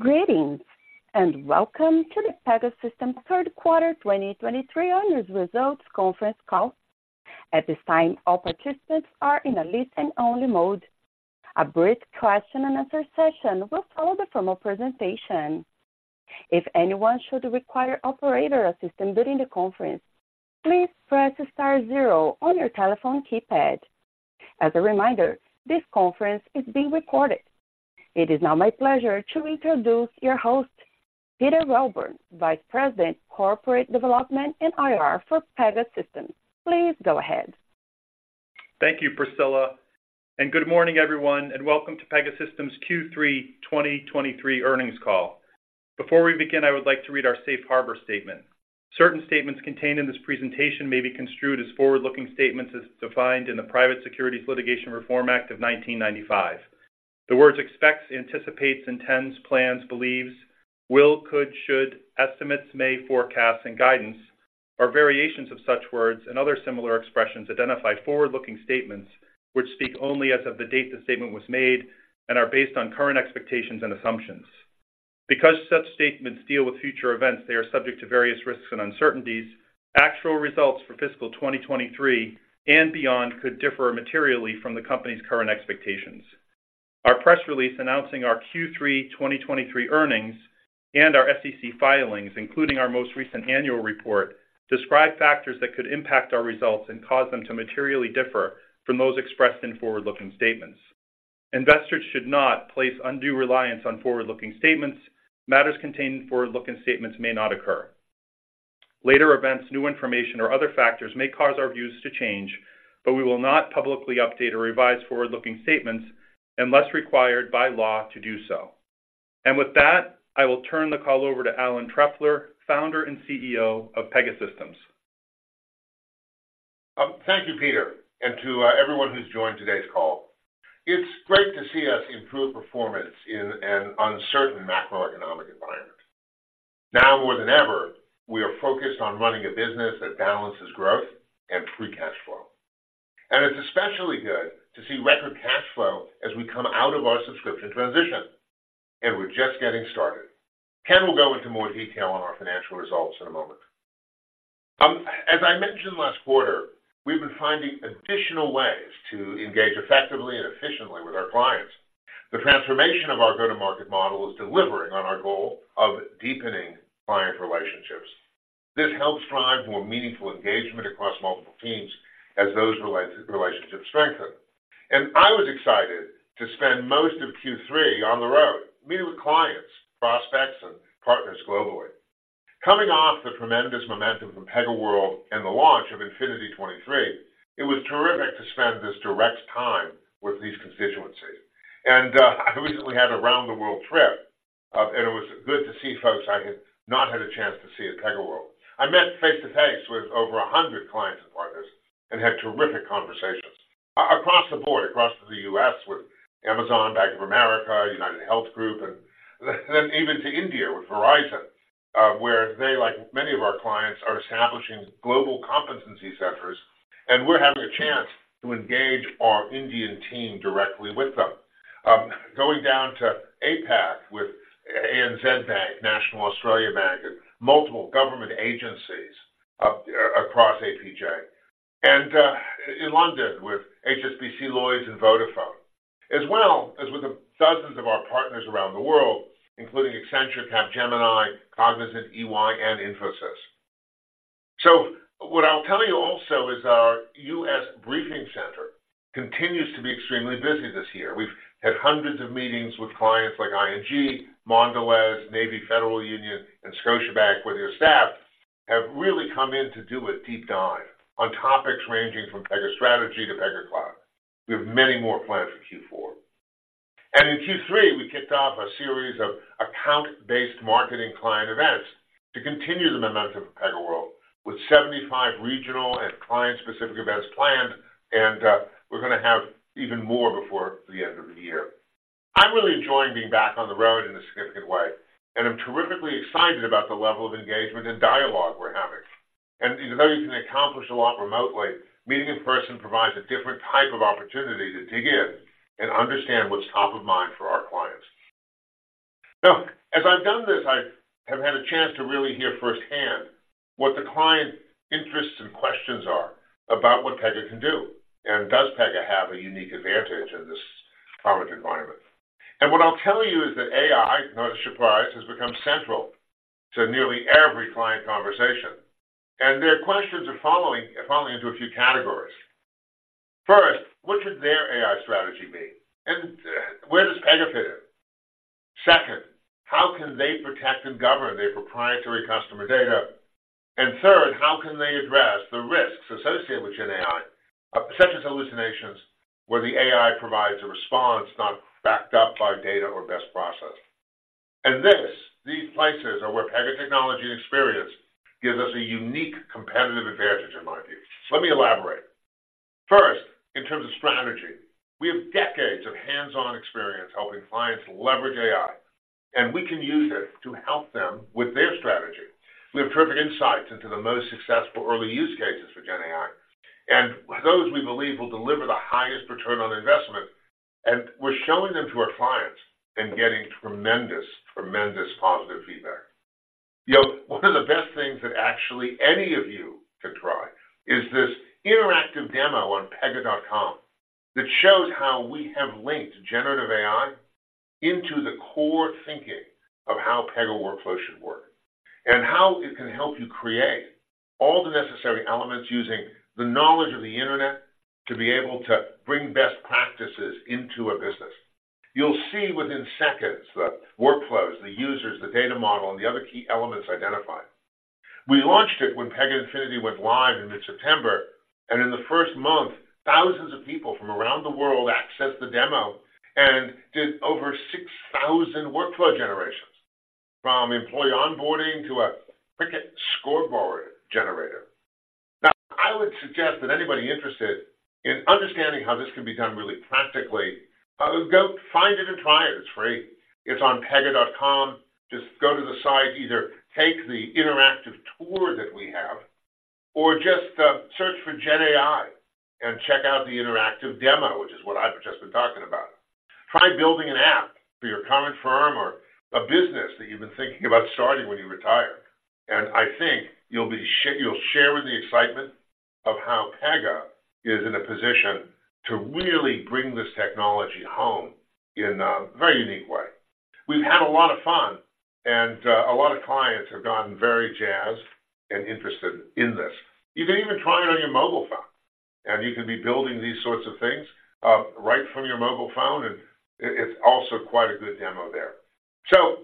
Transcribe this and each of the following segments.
Greetings, and welcome to the Pegasystems Q3 2023 Earnings Results Conference Call. At this time, all participants are in a listen-only mode. A brief question and answer session will follow the formal presentation. If anyone should require operator assistance during the conference, please press star zero on your telephone keypad. As a reminder, this conference is being recorded. It is now my pleasure to introduce your host, Peter Welburn, Vice President, Corporate Development and IR for Pegasystems. Please go ahead. Thank you, Priscilla, and good morning, everyone, and welcome to Pegasystems Q3 2023 earnings call. Before we begin, I would like to read our safe harbor statement. Certain statements contained in this presentation may be construed as forward-looking statements as defined in the Private Securities Litigation Reform Act of 1995. The words expects, anticipates, intends, plans, believes, will, could, should, estimates, may, forecast, and guidance, or variations of such words and other similar expressions identify forward-looking statements which speak only as of the date the statement was made and are based on current expectations and assumptions. Because such statements deal with future events, they are subject to various risks and uncertainties. Actual results for fiscal 2023 and beyond could differ materially from the company's current expectations. Our press release announcing our Q3 2023 earnings and our SEC filings, including our most recent annual report, describe factors that could impact our results and cause them to materially differ from those expressed in forward-looking statements. Investors should not place undue reliance on forward-looking statements. Matters contained in forward-looking statements may not occur. Later events, new information, or other factors may cause our views to change, but we will not publicly update or revise forward-looking statements unless required by law to do so. With that, I will turn the call over to Alan Trefler, founder and CEO of Pegasystems. Thank you, Peter, and to everyone who's joined today's call. It's great to see us improve performance in an uncertain macroeconomic environment. Now more than ever, we are focused on running a business that balances growth and free cash flow. And it's especially good to see record cash flow as we come out of our subscription transition, and we're just getting started. Ken will go into more detail on our financial results in a moment. As I mentioned last quarter, we've been finding additional ways to engage effectively and efficiently with our clients. The transformation of our go-to-market model is delivering on our goal of deepening client relationships. This helps drive more meaningful engagement across multiple teams as those relationships strengthen. And I was excited to spend most of Q3 on the road, meeting with clients, prospects, and partners globally. Coming off the tremendous momentum from PegaWorld and the launch of Infinity 2023, it was terrific to spend this direct time with these constituencies. I recently had a round-the-world trip, and it was good to see folks I had not had a chance to see at PegaWorld. I met face to face with over 100 clients and partners and had terrific conversations across the board, across the U.S., with Amazon, Bank of America, UnitedHealth Group, and then even to India with Verizon, where they, like many of our clients, are establishing global competency centers, and we're having a chance to engage our Indian team directly with them. Going down to APAC with ANZ Bank, National Australia Bank, and multiple government agencies across APJ, and in London with HSBC, Lloyds, and Vodafone, as well as with the dozens of our partners around the world, including Accenture, Capgemini, Cognizant, EY, and Infosys. So what I'll tell you also is our US briefing center continues to be extremely busy this year. We've had hundreds of meetings with clients like ING, Mondelez, Navy Federal Union, and Scotiabank, where their staff have really come in to do a deep dive on topics ranging from Pega strategy to Pega Cloud. We have many more plans for Q4. And in Q3, we kicked off a series of account-based marketing client events to continue the momentum of PegaWorld, with 75 regional and client-specific events planned, and we're going to have even more before the end of the year. I'm really enjoying being back on the road in a significant way, and I'm terrifically excited about the level of engagement and dialogue we're having. Even though you can accomplish a lot remotely, meeting in person provides a different type of opportunity to dig in and understand what's top of mind for our clients. Now, as I've done this, I have had a chance to really hear firsthand what the client interests and questions are about what Pega can do, and does Pega have a unique advantage in this current environment? What I'll tell you is that AI, no surprise, has become central to nearly every client conversation, and their questions are following, falling into a few categories. First, what should their AI strategy be? Where does Pega fit in? Second, how can they protect and govern their proprietary customer data? And third, how can they address the risks associated with GenAI, such as hallucinations, where the AI provides a response not backed up by data or best process? And this, these places, are where Pega technology and experience gives us a unique competitive advantage, in my view. Let me elaborate. First, in terms of strategy, we have decades of hands-on experience helping clients leverage AI, and we can use this to help them with their strategy.... We have perfect insights into the most successful early use cases for GenAI, and those we believe will deliver the highest return on investment. And we're showing them to our clients and getting tremendous, tremendous positive feedback. You know, one of the best things that actually any of you can try is this interactive demo on pega.com that shows how we have linked generative AI into the core thinking of how Pega workflow should work, and how it can help you create all the necessary elements, using the knowledge of the internet to be able to bring best practices into a business. You'll see within seconds the workflows, the users, the data model, and the other key elements identified. We launched it when Pega Infinity went live in mid-September, and in the first month, thousands of people from around the world accessed the demo and did over 6,000 workflow generations, from employee onboarding to a cricket scoreboard generator. Now, I would suggest that anybody interested in understanding how this can be done really practically, go find it and try it. It's free. It's on pega.com. Just go to the site, either take the interactive tour that we have or just search for GenAI and check out the interactive demo, which is what I've just been talking about. Try building an app for your current firm or a business that you've been thinking about starting when you retire, and I think you'll share in the excitement of how Pega is in a position to really bring this technology home in a very unique way. We've had a lot of fun, and a lot of clients have gotten very jazzed and interested in this. You can even try it on your mobile phone, and you can be building these sorts of things right from your mobile phone, and it, it's also quite a good demo there. So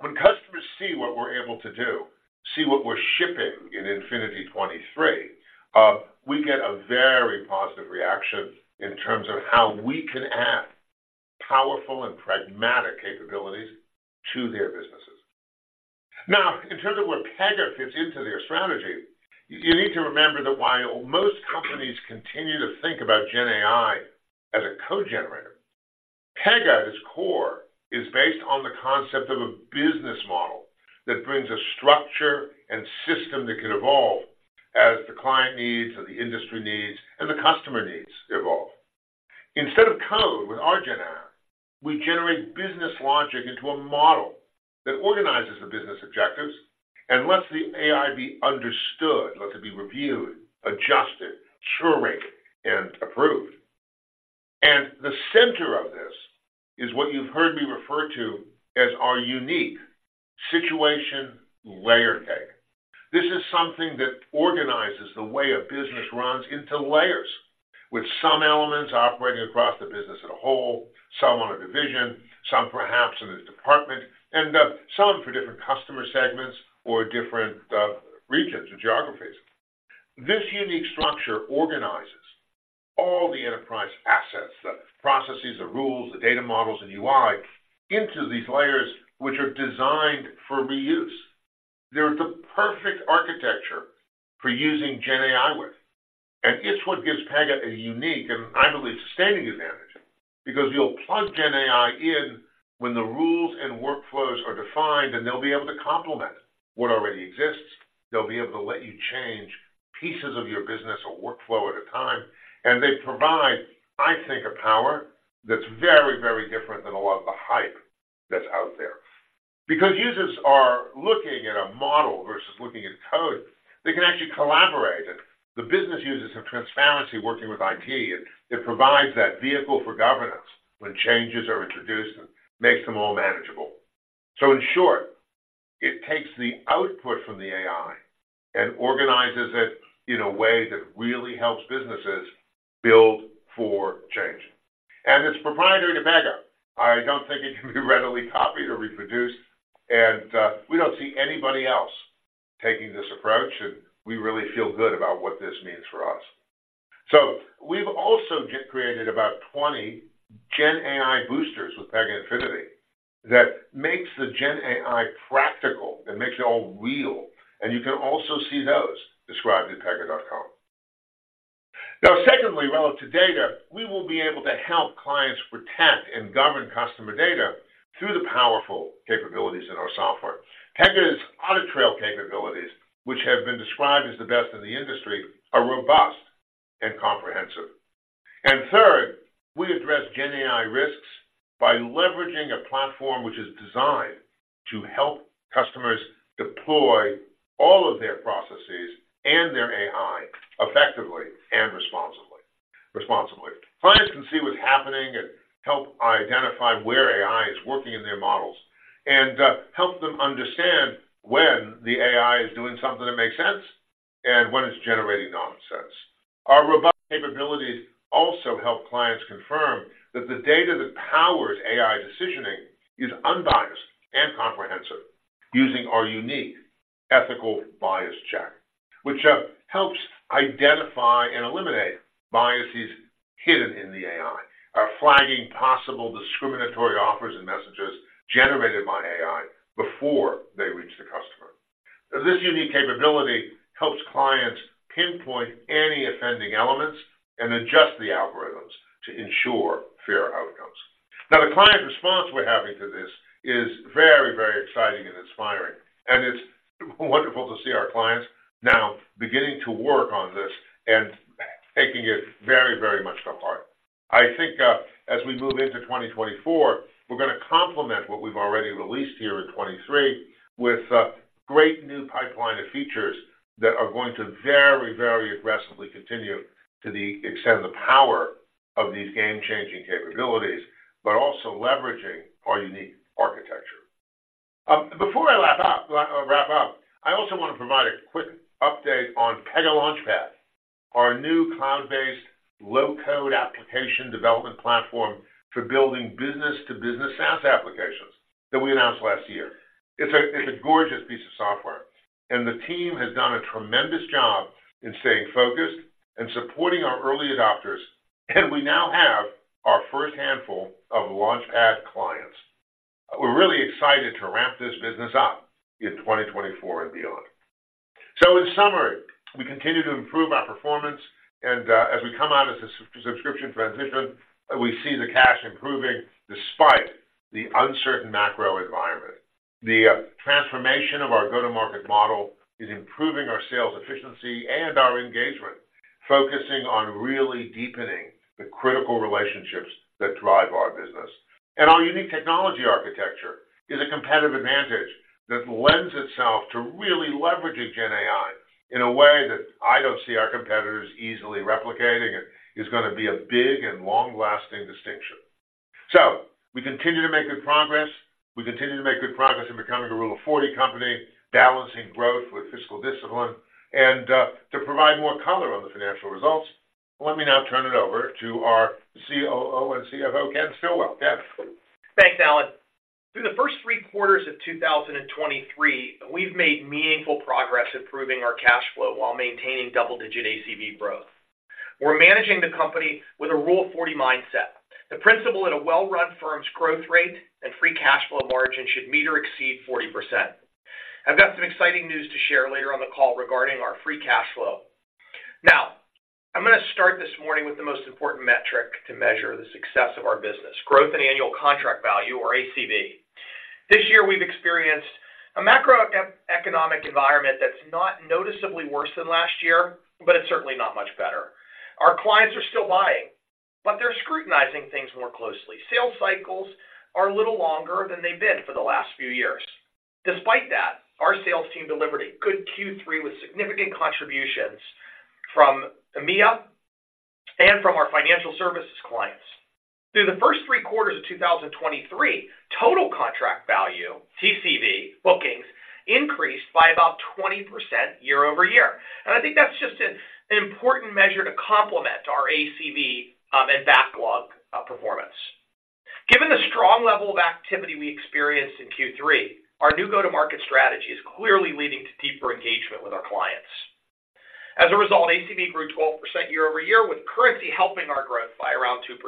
when customers see what we're able to do, see what we're shipping in Pega Infinity '23, we get a very positive reaction in terms of how we can add powerful and pragmatic capabilities to their businesses. Now, in terms of where Pega fits into their strategy, you need to remember that while most companies continue to think about GenAI as a code generator, Pega, at its core, is based on the concept of a business model that brings a structure and system that can evolve as the client needs or the industry needs, and the customer needs evolve. Instead of code, with our GenAI, we generate business logic into a model that organizes the business objectives and lets the AI be understood, let it be reviewed, adjusted, curated, and approved. And the center of this is what you've heard me refer to as our unique Situational Layer Cake. This is something that organizes the way a business runs into layers, with some elements operating across the business as a whole, some on a division, some perhaps in a department, and some for different customer segments or different regions or geographies. This unique structure organizes all the enterprise assets, the processes, the rules, the data models, and UI into these layers, which are designed for reuse. They're the perfect architecture for using GenAI with, and it's what gives Pega a unique, and I believe, sustainable advantage, because you'll plug GenAI in when the rules and workflows are defined, and they'll be able to complement what already exists. They'll be able to let you change pieces of your business or workflow at a time, and they provide, I think, a power that's very, very different than a lot of the hype that's out there. Because users are looking at a model versus looking at code, they can actually collaborate, and the business users have transparency working with IT, and it provides that vehicle for governance when changes are introduced and makes them all manageable. So in short, it takes the output from the AI and organizes it in a way that really helps businesses build for change. And it's proprietary to Pega. I don't think it can be readily copied or reproduced, and, we don't see anybody else taking this approach, and we really feel good about what this means for us. So we've also get created about 20 GenAI boosters with Pega Infinity. That makes the GenAI practical. It makes it all real, and you can also see those described at pega.com. Now, secondly, relative to data, we will be able to help clients protect and govern customer data through the powerful capabilities in our software. Pega's audit trail capabilities, which have been described as the best in the industry, are robust and comprehensive. And third, we address GenAI risks by leveraging a platform which is designed to help customers deploy all of their processes and their AI effectively and responsibly, responsibly. Clients can see what's happening and help identify where AI is working in their models, and help them understand when the AI is doing something that makes sense and when it's generating nonsense. Our robust capabilities also help clients confirm that the data that powers AI decisioning is unbiased and comprehensive, using our unique ethical bias check, which helps identify and eliminate biases hidden in the AI. Are flagging possible discriminatory offers and messages generated by AI before they reach the customer. This unique capability helps clients pinpoint any offending elements and adjust the algorithms to ensure fair outcomes. Now, the client response we're having to this is very, very exciting and inspiring, and it's wonderful to see our clients now beginning to work on this and taking it very, very much to heart. I think, as we move into 2024, we're going to complement what we've already released here in 2023 with a great new pipeline of features that are going to very, very aggressively continue to the extent of the power of these game-changing capabilities, but also leveraging our unique architecture. Before I wrap up, wrap up, I also want to provide a quick update on Pega Launchpad, our new cloud-based, low-code application development platform for building business-to-business SaaS applications that we announced last year. It's a, it's a gorgeous piece of software, and the team has done a tremendous job in staying focused and supporting our early adopters, and we now have our first handful of Launchpad clients. We're really excited to ramp this business up in 2024 and beyond. So in summary, we continue to improve our performance, and, as we come out of this subscription transition, we see the cash improving despite the uncertain macro environment. The transformation of our go-to-market model is improving our sales efficiency and our engagement, focusing on really deepening the critical relationships that drive our business. Our unique technology architecture is a competitive advantage that lends itself to really leveraging GenAI in a way that I don't see our competitors easily replicating. It is going to be a big and long-lasting distinction. We continue to make good progress. We continue to make good progress in becoming a Rule of 40 company, balancing growth with fiscal discipline, and to provide more color on the financial results, let me now turn it over to our COO and CFO, Ken Stillwell. Ken? Thanks, Alan. Through the first three quarters of 2023, we've made meaningful progress improving our cash flow while maintaining double-digit ACV growth. We're managing the company with a Rule of 40 mindset. The principle at a well-run firm's growth rate and free cash flow margin should meet or exceed 40%. I've got some exciting news to share later on the call regarding our free cash flow. Now, I'm going to start this morning with the most important metric to measure the success of our business, growth and annual contract value, or ACV. This year, we've experienced a macroeconomic environment that's not noticeably worse than last year, but it's certainly not much better. Our clients are still buying, but they're scrutinizing things more closely. Sales cycles are a little longer than they've been for the last few years. Despite that, our sales team delivered a good Q3 with significant contributions from EMEA and from our financial services clients. Through the first three quarters of 2023, total contract value, TCV bookings, increased by about 20% year-over-year. I think that's just an important measure to complement our ACV, and backlog performance. Given the strong level of activity we experienced in Q3, our new go-to-market strategy is clearly leading to deeper engagement with our clients. As a result, ACV grew 12% year-over-year, with currency helping our growth by around 2%.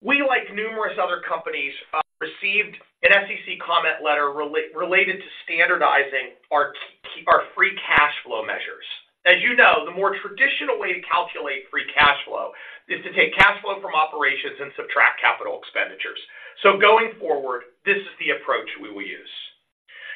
We, like numerous other companies, received an SEC comment letter related to standardizing our free cash flow measures. As you know, the more traditional way to calculate free cash flow is to take cash flow from operations and subtract capital expenditures. Going forward, this is the approach we will use.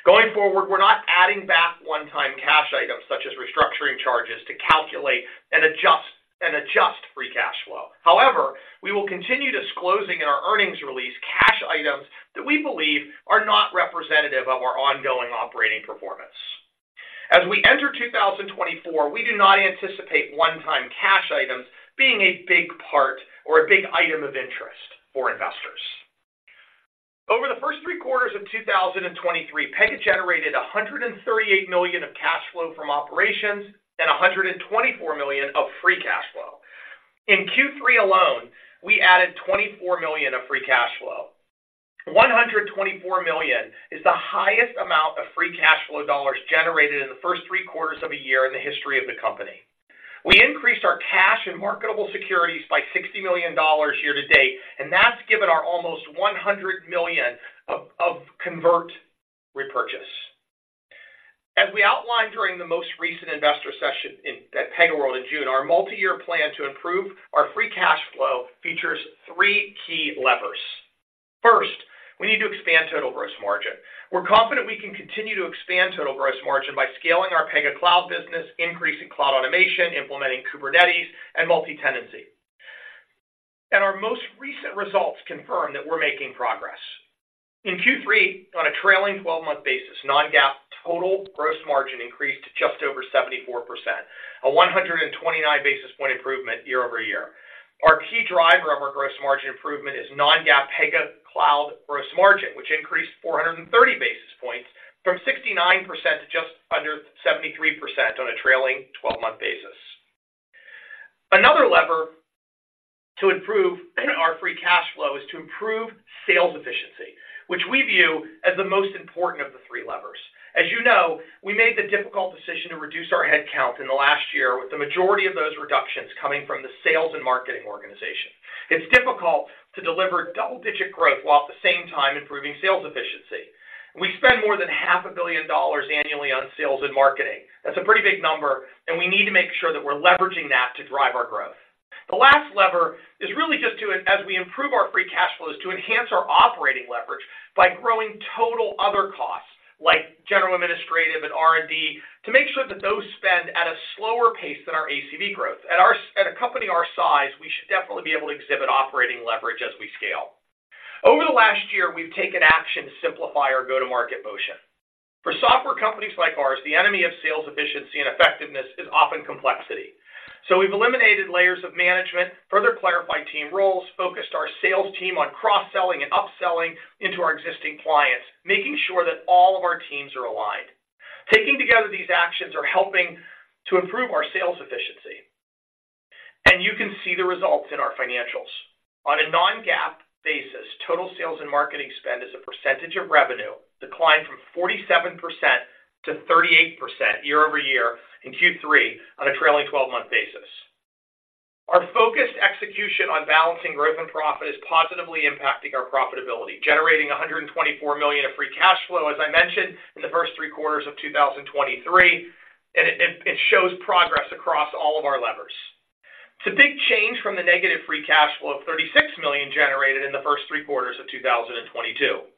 Going forward, we're not adding back one-time cash items, such as restructuring charges, to calculate and adjust, and adjust free cash flow. However, we will continue disclosing in our earnings release, cash items that we believe are not representative of our ongoing operating performance. As we enter 2024, we do not anticipate one-time cash items being a big part or a big item of interest for investors. Over the first three quarters of 2023, Pega generated $138 million of cash flow from operations and $124 million of free cash flow. In Q3 alone, we added $24 million of free cash flow. $124 million is the highest amount of free cash flow dollars generated in the first three quarters of a year in the history of the company. We increased our cash and marketable securities by $60 million year to date, and that's given our almost $100 million of convert repurchase. As we outlined during the most recent investor session at PegaWorld in June, our multi-year plan to improve our free cash flow features three key levers. First, we need to expand total gross margin. We're confident we can continue to expand total gross margin by scaling our Pega Cloud business, increasing cloud automation, implementing Kubernetes, and multi-tenancy. And our most recent results confirm that we're making progress. In Q3, on a trailing 12-month basis, non-GAAP total gross margin increased to just over 74%, a 129 basis point improvement year-over-year. Our key driver of our gross margin improvement is non-GAAP Pega Cloud gross margin, which increased 430 basis points from 69% to just under 73% on a trailing-twelve-month basis. Another lever to improve our free cash flow is to improve sales efficiency, which we view as the most important of the three levers. As you know, we made the difficult decision to reduce our headcount in the last year, with the majority of those reductions coming from the sales and marketing organization. It's difficult to deliver double-digit growth while at the same time improving sales efficiency.... We spend more than $500 million annually on sales and marketing. That's a pretty big number, and we need to make sure that we're leveraging that to drive our growth. The last lever is really just to, as we improve our free cash flows, to enhance our operating leverage by growing total other costs, like general administrative and R&D, to make sure that those spend at a slower pace than our ACV growth. At a company our size, we should definitely be able to exhibit operating leverage as we scale. Over the last year, we've taken action to simplify our go-to-market motion. For software companies like ours, the enemy of sales efficiency and effectiveness is often complexity. So we've eliminated layers of management, further clarified team roles, focused our sales team on cross-selling and upselling into our existing clients, making sure that all of our teams are aligned. Taking together, these actions are helping to improve our sales efficiency, and you can see the results in our financials. On a non-GAAP basis, total sales and marketing spend as a percentage of revenue declined from 47%-38% year-over-year in Q3 on a trailing 12-month basis. Our focused execution on balancing growth and profit is positively impacting our profitability, generating $124 million of free cash flow, as I mentioned, in the first three quarters of 2023, and it shows progress across all of our levers. It's a big change from the negative free cash flow of $36 million generated in the first three quarters of 2022. I've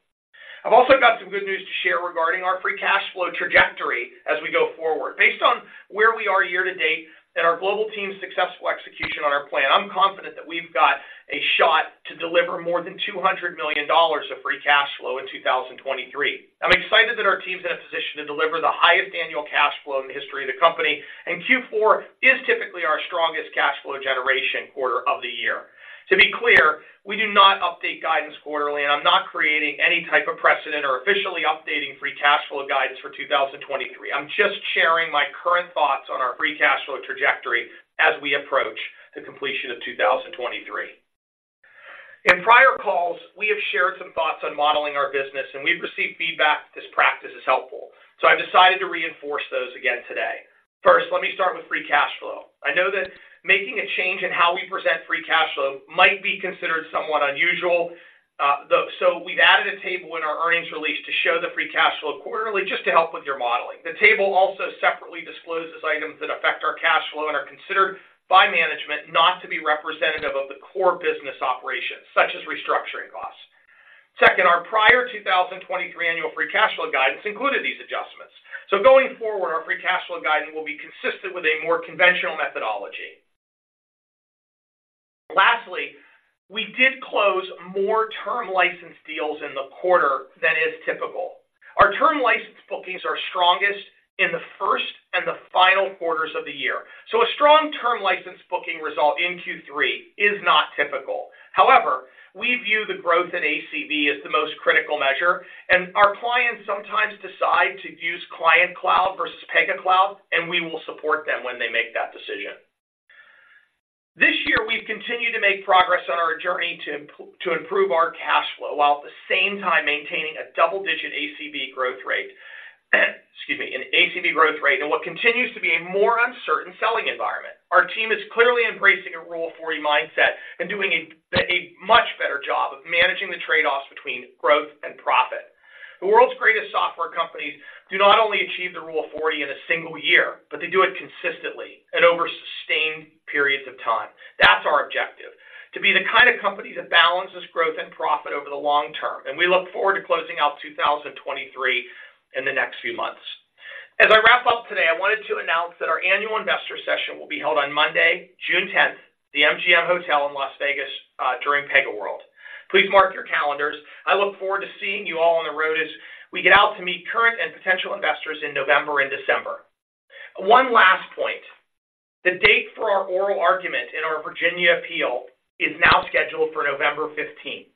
also got some good news to share regarding our free cash flow trajectory as we go forward. Based on where we are year to date and our global team's successful execution on our plan, I'm confident that we've got a shot to deliver more than $200 million of free cash flow in 2023. I'm excited that our team's in a position to deliver the highest annual cash flow in the history of the company, and Q4 is typically our strongest cash flow generation quarter of the year. To be clear, we do not update guidance quarterly, and I'm not creating any type of precedent or officially updating free cash flow guidance for 2023. I'm just sharing my current thoughts on our free cash flow trajectory as we approach the completion of 2023. In prior calls, we have shared some thoughts on modeling our business, and we've received feedback that this practice is helpful, so I've decided to reinforce those again today. First, let me start with free cash flow. I know that making a change in how we present free cash flow might be considered somewhat unusual, so we've added a table in our earnings release to show the free cash flow quarterly, just to help with your modeling. The table also separately discloses items that affect our cash flow and are considered by management not to be representative of the core business operations, such as restructuring costs. Second, our prior 2023 annual free cash flow guidance included these adjustments. So going forward, our free cash flow guidance will be consistent with a more conventional methodology. Lastly, we did close more term license deals in the quarter than is typical. Our term license bookings are strongest in the first and the final quarters of the year, so a strong term license booking result in Q3 is not typical. However, we view the growth in ACV as the most critical measure, and our clients sometimes decide to use Client Cloud versus Pega Cloud, and we will support them when they make that decision. This year, we've continued to make progress on our journey to improve our cash flow, while at the same time maintaining a double-digit ACV growth rate, excuse me, an ACV growth rate, in what continues to be a more uncertain selling environment. Our team is clearly embracing a Rule of 40 mindset and doing a much better job of managing the trade-offs between growth and profit. The world's greatest software companies do not only achieve the Rule of 40 in a single year, but they do it consistently and over sustained periods of time. That's our objective, to be the kind of company that balances growth and profit over the long term, and we look forward to closing out 2023 in the next few months. As I wrap up today, I wanted to announce that our annual investor session will be held on Monday, June 10th, the MGM Hotel in Las Vegas, during PegaWorld. Please mark your calendars. I look forward to seeing you all on the road as we get out to meet current and potential investors in November and December. One last point, the date for our oral argument in our Virginia appeal is now scheduled for November fifteenth.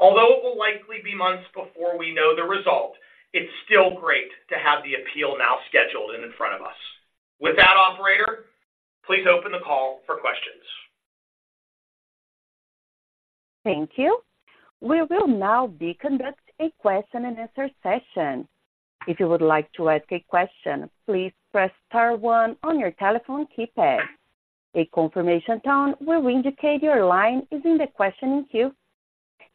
Although it will likely be months before we know the result, it's still great to have the appeal now scheduled and in front of us. With that, operator, please open the call for questions. Thank you. We will now be conducting a question and answer session. If you would like to ask a question, please press star one on your telephone keypad. A confirmation tone will indicate your line is in the questioning queue.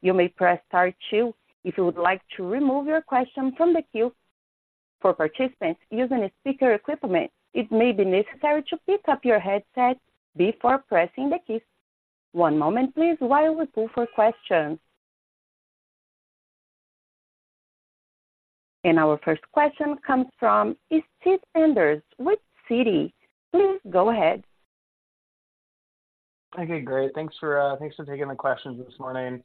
You may press star two if you would like to remove your question from the queue. For participants using speaker equipment, it may be necessary to pick up your headset before pressing the keys. One moment, please, while we pull for questions. Our first question comes from Steve Enders with Citi. Please go ahead. Okay, great. Thanks for taking the questions this morning.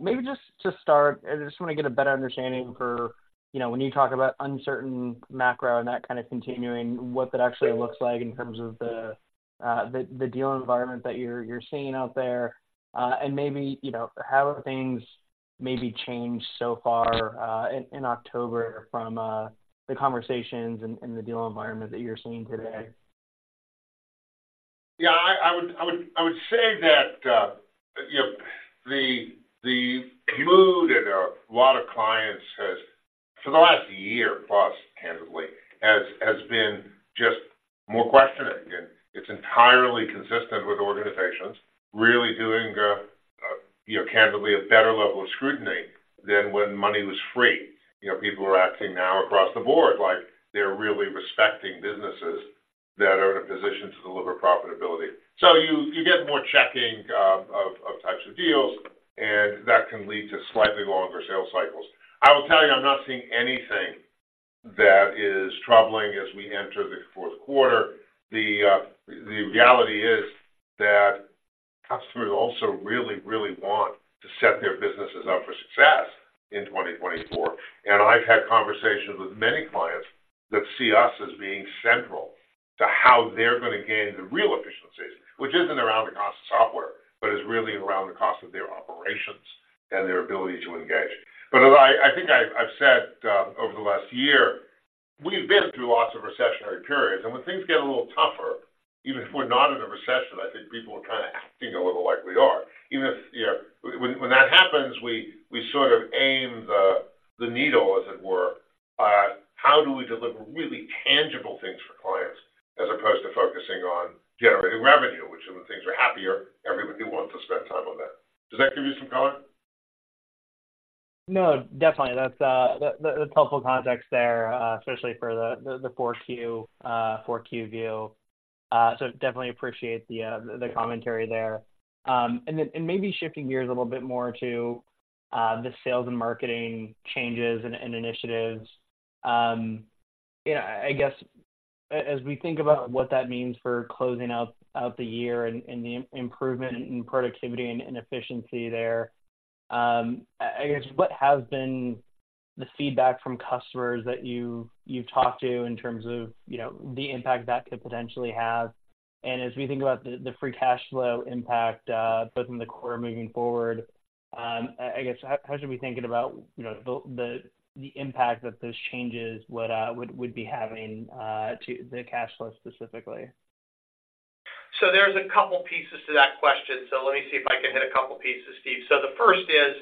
Maybe just to start, I just want to get a better understanding for, you know, when you talk about uncertain macro and that kind of continuing, what that actually looks like in terms of the deal environment that you're seeing out there. And maybe, you know, how have things maybe changed so far in October from the conversations and the deal environment that you're seeing today? Yeah, I would say that, you know, the mood in a lot of clients has, for the last year plus, candidly, been just more questioning. It's entirely consistent with organizations really doing, you know, candidly, a better level of scrutiny than when money was free. You know, people are acting now across the board, like they're really respecting businesses that are in a position to deliver profitability. So you get more checking of types of deals, and that can lead to slightly longer sales cycles. I will tell you, I'm not seeing anything that is troubling as we enter the Q4. The reality is that customers also really, really want to set their businesses up for success in 2024, and I've had conversations with many clients that see us as being central to how they're gonna gain the real efficiencies, which isn't around the cost of software, but is really around the cost of their operations and their ability to engage. But as I think I've said over the last year, we've been through lots of recessionary periods, and when things get a little tougher, even if we're not in a recession, I think people are kinda acting a little like we are. Even if, you know, when that happens, we sort of aim the needle, as it were, at how do we deliver really tangible things for clients as opposed to focusing on generating revenue, which when things are happier, everybody wants to spend time on that. Does that give you some color? No, definitely. That's helpful context there, especially for the Q4 view. So definitely appreciate the commentary there. And then maybe shifting gears a little bit more to the sales and marketing changes and initiatives. Yeah, I guess as we think about what that means for closing out the year and the improvement in productivity and efficiency there, I guess what has been the feedback from customers that you've talked to in terms of, you know, the impact that could potentially have? As we think about the free cash flow impact both in the quarter moving forward, I guess how should we be thinking about, you know, the impact that those changes would be having to the cash flow specifically? So there's a couple pieces to that question. So let me see if I can hit a couple pieces, Steve. So the first is,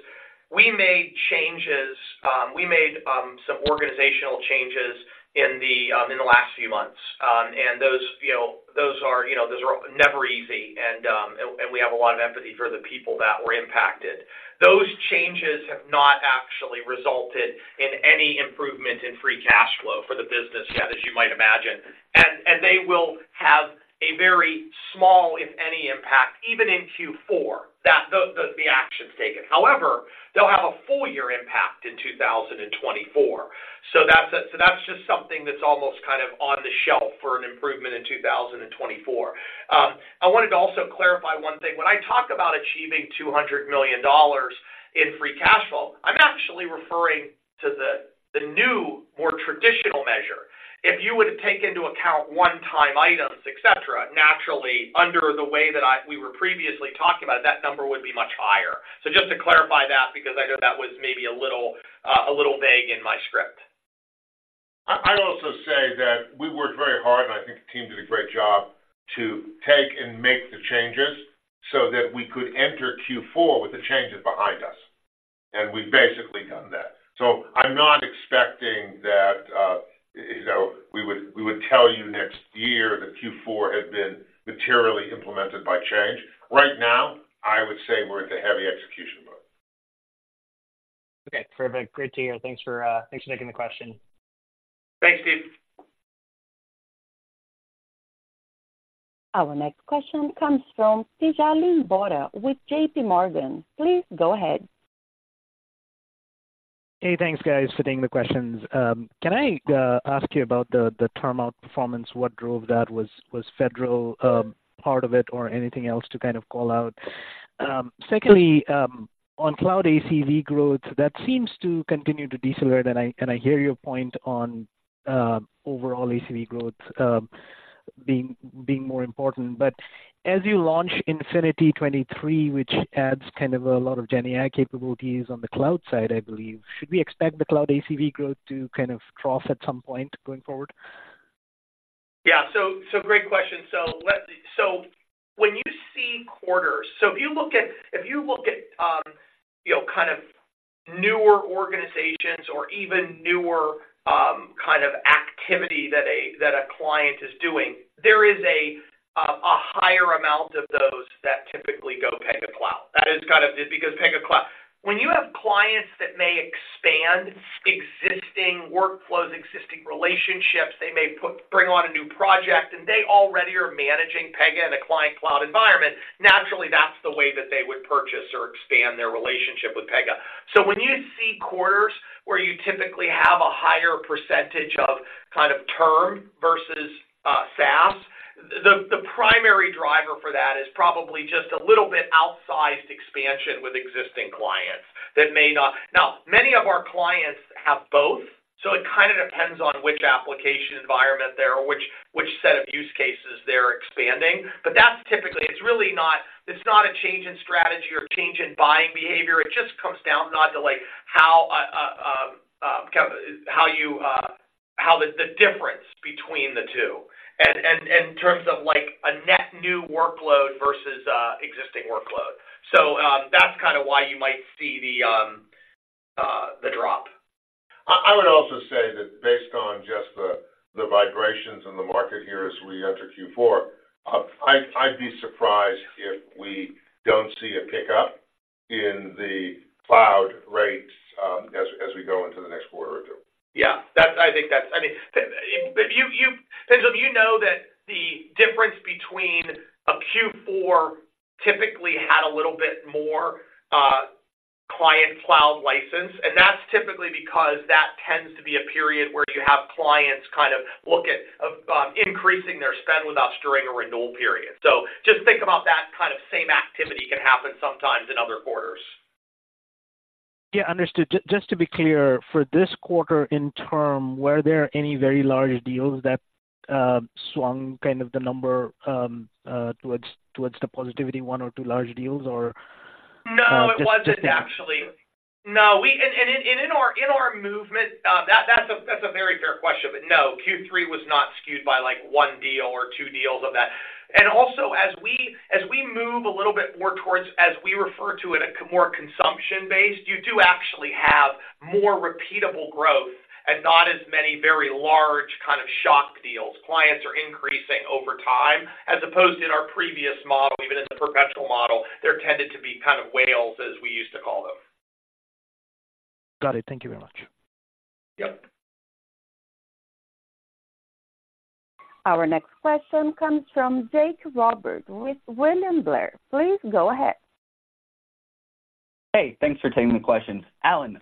we made changes, we made some organizational changes in the last few months. And those, you know, those are, you know, those are never easy, and, and we have a lot of empathy for the people that were impacted. Those changes have not actually resulted in any improvement in free cash flow for the business yet, as you might imagine. And they will have a very small, if any, impact, even in Q4, the actions taken. However, they'll have a full year impact in 2024. So that's just something that's almost kind of on the shelf for an improvement in 2024. I wanted to also clarify one thing. When I talk about achieving $200 million in free cash flow, I'm actually referring to the new, more traditional measure. If you were to take into account one-time items, et cetera, naturally, under the way that we were previously talking about, that number would be much higher. So just to clarify that, because I know that was maybe a little, a little vague in my script. I'd also say that we worked very hard, and I think the team did a great job to take and make the changes so that we could enter Q4 with the changes behind us, and we've basically done that. So I'm not expecting that, you know, we would, we would tell you next year that Q4 had been materially implemented by change. Right now, I would say we're in the heavy execution mode. Okay, perfect. Great to hear. Thanks for taking the question. Thanks, Steve. Our next question comes from Tejal Vora with J.P. Morgan. Please go ahead. Hey, thanks, guys, for taking the questions. Can I ask you about the term outperformance? What drove that? Was federal part of it or anything else to kind of call out? Secondly, on cloud ACV growth, that seems to continue to decelerate, and I hear your point on overall ACV growth being more important. But as you launch Infinity 23, which adds kind of a lot of GenAI capabilities on the cloud side, I believe, should we expect the cloud ACV growth to kind of cross at some point going forward? Yeah. So, great question. So when you see quarters, so if you look at, you know, kind of newer organizations or even newer, kind of activity that a client is doing, there is a higher amount of those that typically go Pega Cloud. That is kind of because Pega Cloud- when you have clients that may expand existing workflows, existing relationships, they may bring on a new project, and they already are managing Pega in a client cloud environment, naturally, that's the way that they would purchase or expand their relationship with Pega. So when you see quarters where you typically have a higher percentage of kind of term versus SaaS, the primary driver for that is probably just a little bit outsized expansion with existing clients that may not... Now, many of our clients have both, so it kind of depends on which application environment they're or which set of use cases they're expanding. But that's typically... It's really not, it's not a change in strategy or change in buying behavior. It just comes down not to, like, how kind of how you how the difference between the two and in terms of, like, a net new workload versus existing workload. So, that's kind of why you might see the drop. I would also say that based on just the vibrations in the market here as we enter Q4, I'd be surprised if we don't see a pickup in the cloud rates, as we go into the next quarter or two. Yeah, that's. I think that's. I mean, but you've, Vincent, you know that the difference between a Q4 typically had a little bit more client cloud license, and that's typically because that tends to be a period where you have clients kind of look at increasing their spend with us during a renewal period. So just think about that kind of same activity can happen sometimes in other quarters. Yeah, understood. Just to be clear, for this quarter, in turn, were there any very large deals that swung kind of the number towards, towards the positivity, one or two large deals, or? No, it wasn't actually. No, and in our movement, that's a very fair question. But no, Q3 was not skewed by, like, one deal or two deals of that. And also, as we move a little bit more towards, as we refer to it, a more consumption-based, you do actually have more repeatable growth and not as many very large kind of shock deals. Clients are increasing over time, as opposed to in our previous model, even in the perpetual model, there tended to be kind of whales, as we used to call them. Got it. Thank you very much. Yep. Our next question comes from Jake Roberge with William Blair. Please go ahead. Hey, thanks for taking the questions. Alan,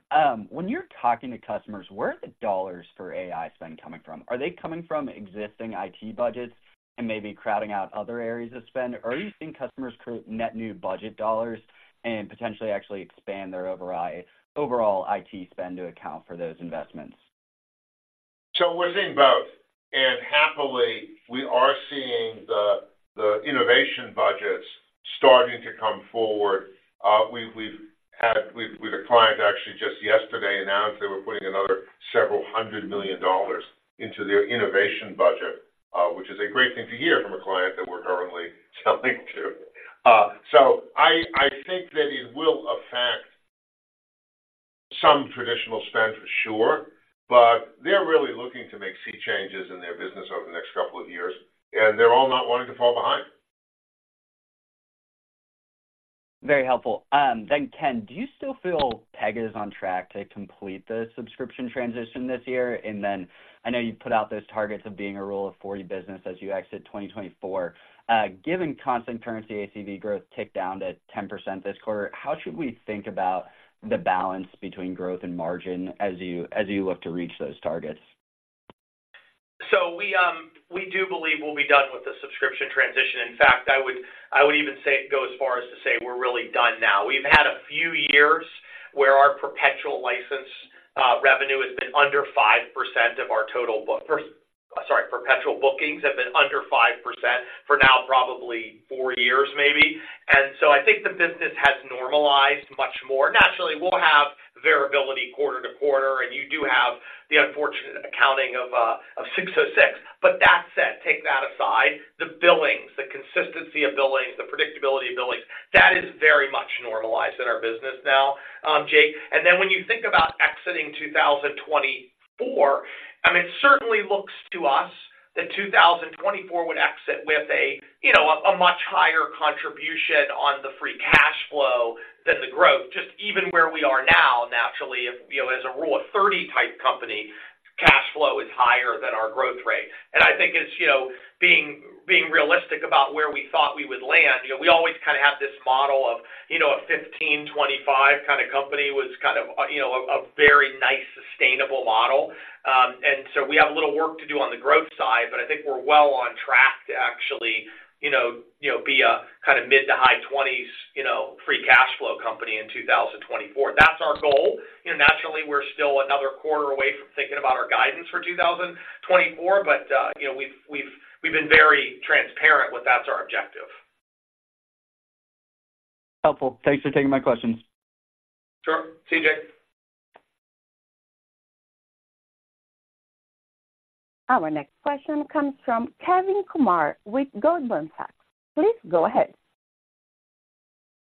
when you're talking to customers, where are the dollars for AI spend coming from? Are they coming from existing IT budgets and maybe crowding out other areas of spend, or are you seeing customers net new budget dollars and potentially actually expand their overall IT spend to account for those investments? So we're seeing both, and happily, we are seeing the innovation budgets starting to come forward. We've had with a client actually just yesterday announced they were putting another several $100 million into their innovation budget, which is a great thing to hear from a client that we're currently selling to. So I think that it will affect some traditional spend, for sure, but they're really looking to make sea changes in their business over the next couple of years, and they're all not wanting to fall behind. Very helpful. Then, Ken, do you still feel Pega is on track to complete the subscription transition this year? And then, I know you put out those targets of being a Rule of 40 business as you exit 2024. Given constant currency, ACV growth ticked down to 10% this quarter, how should we think about the balance between growth and margin as you look to reach those targets? So we, we do believe we'll be done with the subscription transition. In fact, I would, I would even say, go as far as to say we're really done now. We've had a few years where our perpetual license revenue has been under 5% of our total book. Perpetual bookings have been under 5% for now, probably four years maybe. And so I think the business has normalized much more. Naturally, we'll have variability quarter to quarter, and you do have the unfortunate accounting of six zero six. But that said, take that aside, the billings, the consistency of billings, the predictability of billings, that is very much normalized in our business now, Jake. And then when you think about exiting 2024, I mean, it certainly looks to us that 2024 would exit with a, you know, a much higher contribution on the free cash flow than the growth. Just even where we are now, naturally, if, you know, as a rule of 30 type company, cash flow is higher than our growth rate. And I think it's, you know, being realistic about where we thought we would land, you know, we always kind of have this model of, you know, a 15, 25 kind of company was kind of, you know, a very nice, sustainable model. And so we have a little work to do on the growth side, but I think we're well on track to actually, you know, you know, be a kind of mid to high twenties, you know, free cash flow company in 2024. That's our goal. You know, naturally, we're still another quarter away from thinking about our guidance for 2024, but you know, we've been very transparent that that's our objective. Helpful. Thanks for taking my questions. Sure. CJ. Our next question comes from Kevin Kumar with Goldman Sachs. Please go ahead.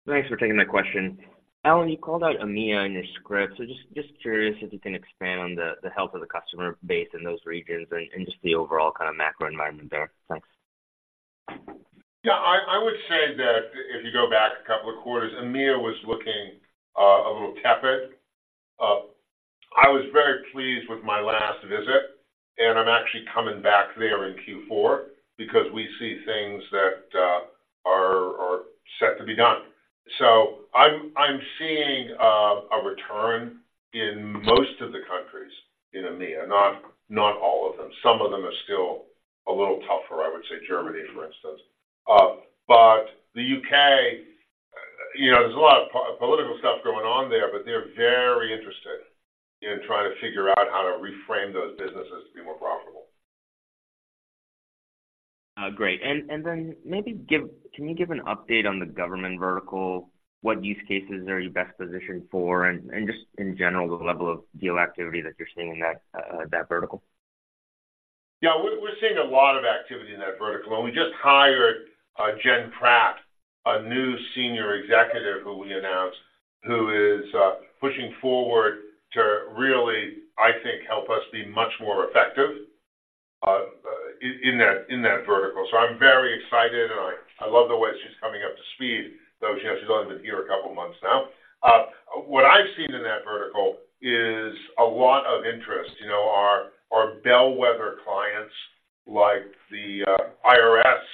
Thanks for taking my question. Alan, you called out EMEA in your script, so just curious if you can expand on the health of the customer base in those regions and just the overall kind of macro environment there. Thanks. Yeah, I, I would say that if you go back a couple of quarters, EMEA was looking a little tepid. I was very pleased with my last visit, and I'm actually coming back there in Q4 because we see things that are, are set to be done. So I'm, I'm seeing a return in most of the countries in EMEA, not, not all of them. Some of them are still a little tougher, I would say Germany, for instance. But the UK, you know, there's a lot of political stuff going on there, but they're very interested in trying to figure out how to reframe those businesses to be more profitable. Great. And then maybe give... Can you give an update on the government vertical? What use cases are you best positioned for, and just in general, the level of deal activity that you're seeing in that vertical? Yeah, we're seeing a lot of activity in that vertical, and we just hired Jen Pratt, a new senior executive who we announced, who is pushing forward to really, I think, help us be much more effective in that vertical. So I'm very excited, and I love the way she's coming up to speed, though she has only been here a couple of months now. What I've seen in that vertical is a lot of interest. You know, our bellwether clients like the IRS,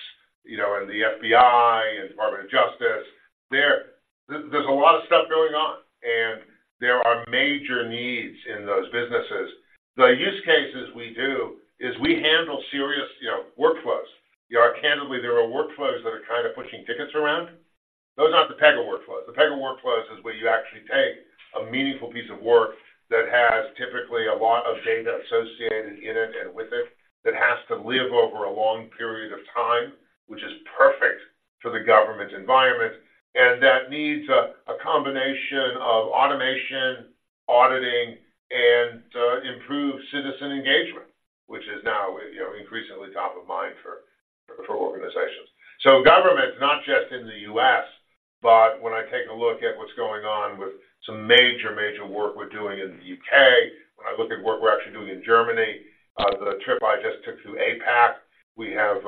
you know, and the FBI and Department of Justice, there's a lot of stuff going on, and there are major needs in those businesses. The use cases we do is we handle serious, you know, workflows. You know, candidly, there are workflows that are kind of pushing tickets around. Those are not the Pega workflows. The Pega workflows is where you actually take a meaningful piece of work that has typically a lot of data associated in it and with it, that has to live over a long period of time, which is perfect for the government environment, and that needs a combination of automation, auditing, and improved citizen engagement, which is now, you know, increasingly top of mind for organizations. So government, not just in the US, but when I take a look at what's going on with some major, major work we're doing in the UK, when I look at work we're actually doing in Germany, the trip I just took to APAC, we have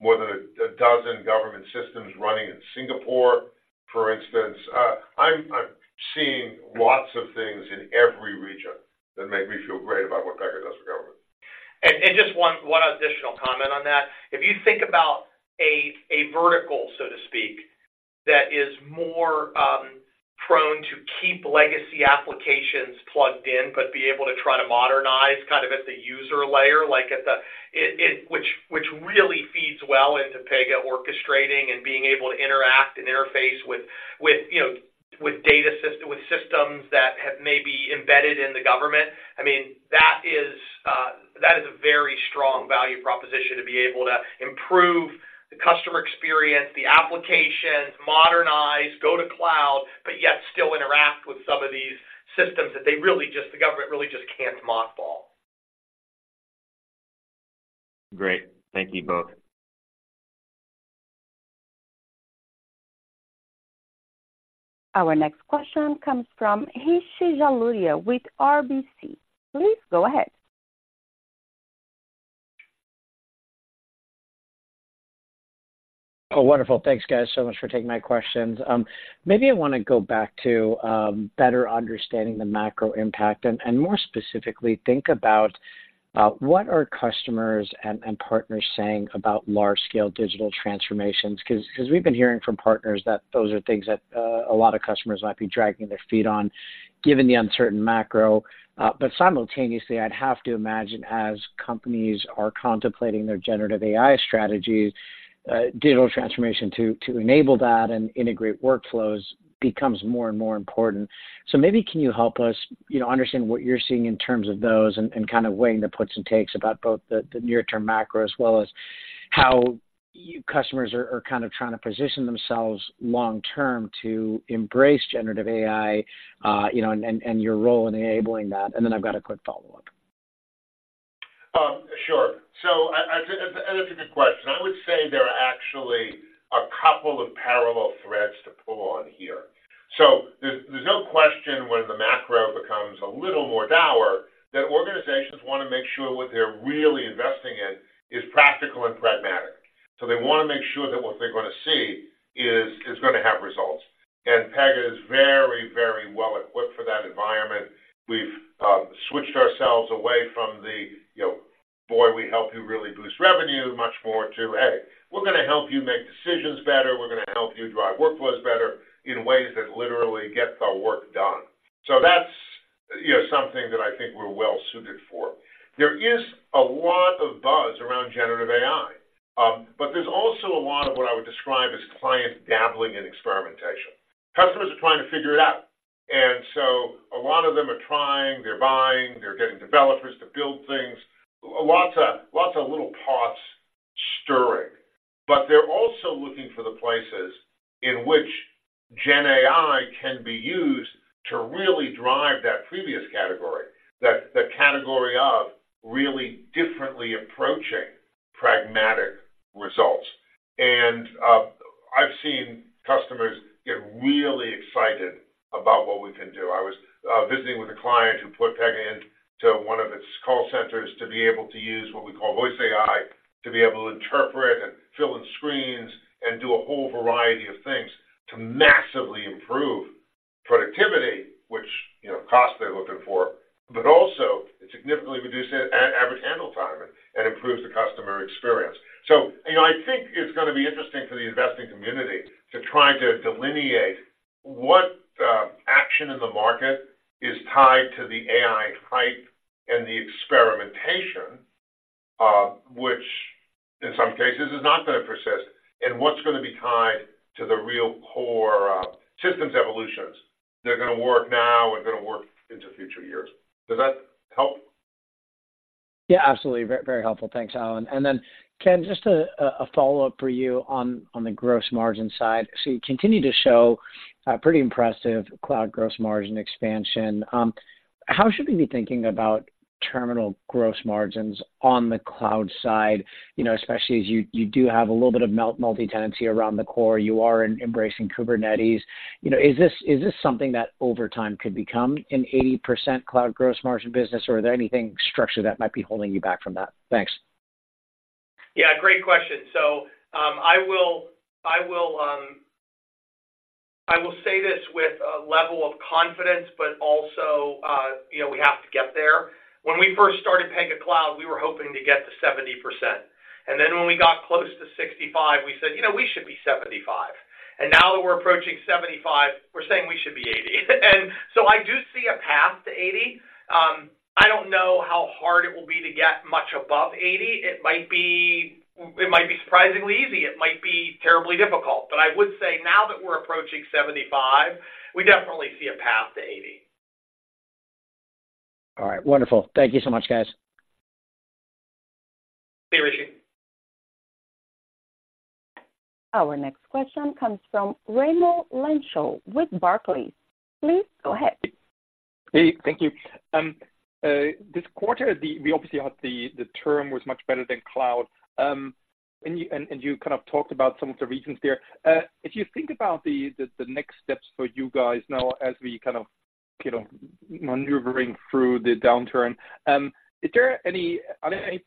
more than a dozen government systems running in Singapore, for instance. I'm seeing lots of things in every region that make me feel great about what Pega does for government. And just one additional comment on that. If you think about a vertical, so to speak, that is more prone to keep legacy applications plugged in, but be able to try to modernize kind of at the user layer, like at the user layer, which really feeds well into Pega orchestrating and being able to interact and interface with, you know, with data systems that have maybe embedded in the government. I mean, that is a very strong value proposition to be able to improve the customer experience, the applications, modernize, go to cloud, but yet still interact with some of these systems that they really just, the government really just can't mothball. Great. Thank you both. Our next question comes from Rishi Jaluria with RBC. Please go ahead. Oh, wonderful. Thanks, guys, so much for taking my questions. Maybe I want to go back to better understanding the macro impact and more specifically, think about what are customers and partners saying about large-scale digital transformations? Because we've been hearing from partners that those are things that a lot of customers might be dragging their feet on, given the uncertain macro. But simultaneously, I'd have to imagine as companies are contemplating their generative AI strategies, digital transformation to enable that and integrate workflows becomes more and more important. Maybe can you help us, you know, understand what you're seeing in terms of those and kind of weighing the puts and takes about both the near-term macro, as well as how customers are kind of trying to position themselves long-term to embrace generative AI, you know, and your role in enabling that. And then I've got a quick follow-up. Sure. So I... That's a good question. I would say there are actually a couple of parallel threads to pull on here. So there's no question when the macro becomes a little more dour, that organizations want to make sure what they're really investing in is practical and pragmatic. So they want to make sure that what they're going to see is going to have results. And Pega is very, very well equipped for that environment. We've switched ourselves away from the, you know, "Boy, we help you really boost revenue," much more to, "Hey, we're going to help you make decisions better. We're going to help you drive workflows better in ways that literally get the work done." So that's, you know, something that I think we're well suited for. There is a lot of buzz around generative AI, but there's also a lot of what I would describe as clients dabbling in experimentation. Customers are trying to figure it out, and so a lot of them are trying, they're buying, they're getting developers to build things. Lots of, lots of little pots stirring, but they're also looking for the places in which gen AI can be used to really drive that previous category, that the category of really differently approaching pragmatic results. And, I've seen customers get really excited about what we can do. I was visiting with a client who put Pega into one of its call centers to be able to use what we call Voice AI, to be able to interpret and fill in screens and do a whole variety of things to massively improve productivity, which, you know, costs they're looking for, but also it significantly reduces average handle time and improves the customer experience. So you know, I think it's going to be interesting for the investing community to try to delineate what action in the market is tied to the AI hype and the experimentation, which in some cases is not going to persist, and what's going to be tied to the real core systems evolutions that are going to work now and going to work into future years. Does that help? Yeah, absolutely. Very, very helpful. Thanks, Alan. And then Ken, just a follow-up for you on the gross margin side. So you continue to show pretty impressive cloud gross margin expansion. How should we be thinking about terminal gross margins on the cloud side? You know, especially as you do have a little bit of multi-tenancy around the core. You are embracing Kubernetes. You know, is this something that over time could become an 80% cloud gross margin business, or is there anything structural that might be holding you back from that? Thanks. Yeah, great question. So, I will say this with a level of confidence, but also, you know, we have to get there. When we first started Pega Cloud, we were hoping to get to 70%, and then when we got close to 65, we said: "You know, we should be 75." And now that we're approaching 75, we're saying we should be 80. And so I do see a path to 80. I don't know how hard it will be to get much above 80. It might be... It might be surprisingly easy, it might be terribly difficult. But I would say now that we're approaching 75, we definitely see a path to 80. All right. Wonderful. Thank you so much, guys. See you, Rishi. Our next question comes from Raimo Lenschow with Barclays. Please go ahead. Hey, thank you. This quarter, we obviously had the term was much better than cloud. And you kind of talked about some of the reasons there. If you think about the next steps for you guys now as we kind of you know maneuvering through the downturn, are there any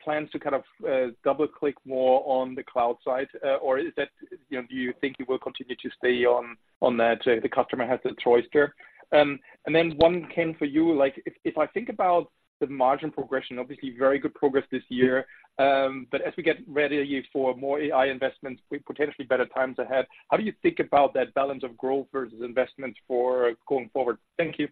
plans to kind of double-click more on the cloud side? Or is that, you know, do you think you will continue to stay on that, the customer has the choice there? And then one, Ken, for you, like, if I think about the margin progression, obviously very good progress this year, but as we get ready for more AI investments, we potentially better times ahead, how do you think about that balance of growth versus investment for going forward? Thank you.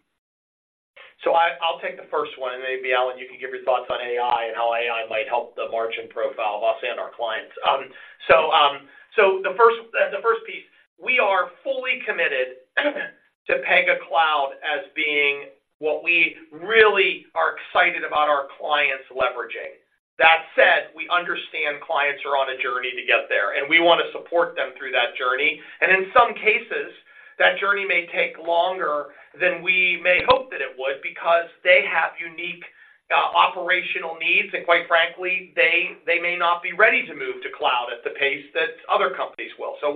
So, I'll take the first one, and maybe, Alan, you can give your thoughts on AI and how AI might help the margin profile of us and our clients. So, the first piece, we are fully committed to Pega Cloud as being what we really are excited about our clients leveraging. That said, we understand clients are on a journey to get there, and we want to support them through that journey. In some cases, that journey may take longer than we may hope that it would, because they have unique operational needs, and quite frankly, they may not be ready to move to cloud at the pace that other companies will. So,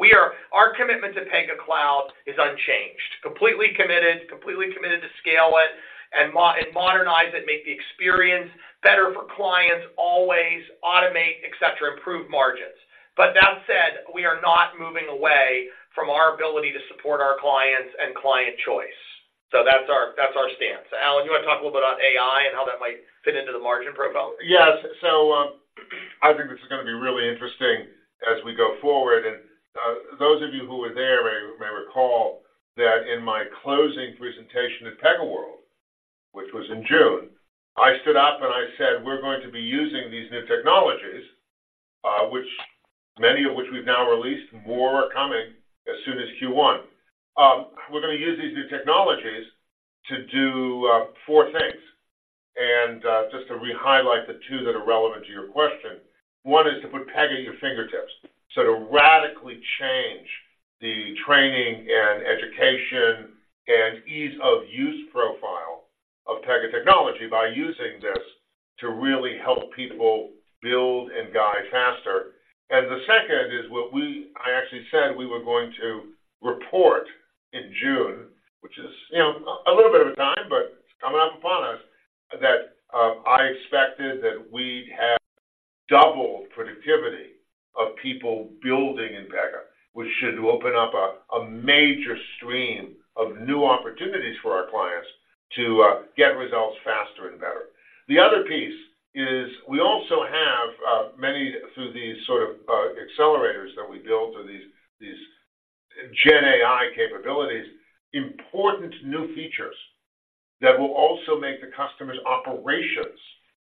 our commitment to Pega Cloud is unchanged. Completely committed, completely committed to scale it and modernize it, make the experience better for clients, always automate, et cetera, improve margins. But that said, we are not moving away from our ability to support our clients and client choice. So that's our stance. Alan, you want to talk a little bit about AI and how that might fit into the margin profile? Yes. So, I think this is going to be really interesting as we go forward. And, those of you who were there may recall that in my closing presentation at PegaWorld, which was in June, I stood up and I said, we're going to be using these new technologies, which many of which we've now released, more are coming as soon as Q1. We're going to use these new technologies to do four things. And, just to re-highlight the two that are relevant to your question, one is to put Pega at your fingertips. So to radically change the training and education and ease of use profile of Pega technology by using this to really help people build and guide faster. And the second is what we...I actually said we were going to report in June, which is, you know, a little bit of a time, but coming up upon us, that I expected that we'd have double productivity of people building in Pega, which should open up a major stream of new opportunities for our clients to get results faster and better. The other piece is we also have many through these sort of accelerators that we built or these GenAI capabilities, important new features that will also make the customer's operations